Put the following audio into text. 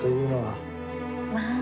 まあ。